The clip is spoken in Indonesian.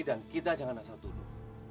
dan kita jangan asal tuduh